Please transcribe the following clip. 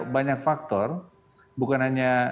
banyak faktor bukan hanya